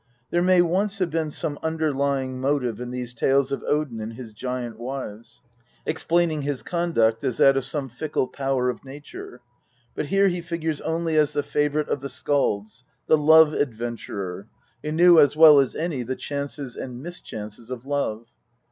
There may once have been some underlying motive in these tales of Odin and his giant wives, explaining his conduct as that of some fickle power of nature, but here he figures only as the favourite of the skalds, the love adventurer, who knew as well as any the chances and mischances of love.